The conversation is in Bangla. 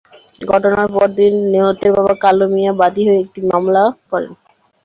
ঘটনার পরদিন নিহতের বাবা কালু মিয়া বাদী হয়ে একটি মামলা করেন।